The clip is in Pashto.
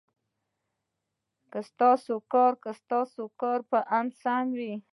که ستاسې کار ستاسې په اند سم وي.